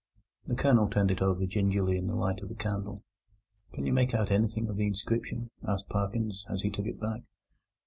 The Colonel turned it over gingerly in the light of the candle. "Can you make anything of the inscription?" asked Parkins, as he took it back.